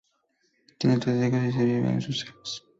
Tiene tres hijos y vive en Sussex.